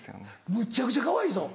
むっちゃくちゃかわいいぞ。